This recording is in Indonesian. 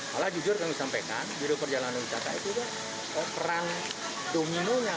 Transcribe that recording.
malah jujur kami sampaikan hidup perjalanan wisata itu juga perang dominonya